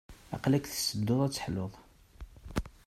Aql-ik tura tettedduḍ ad teḥluḍ.